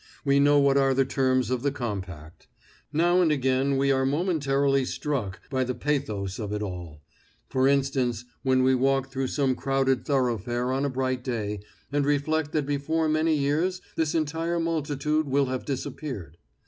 We know what are the terms of the compact. Now and again we are momentarily struck by the pathos of it all; for instance, when we walk through some crowded thoroughfare on a bright day and reflect that before many years this entire multitude will have disappeared.